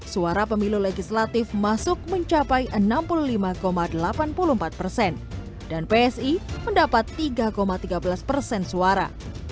suara pemilu legislatif masuk mencapai enam puluh lima delapan puluh empat persen dan psi mendapat tiga tiga belas persen suara